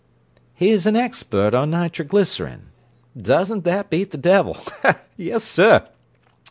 "He's an expert on nitroglycerin. Doesn't that beat the devil! Yes, sir!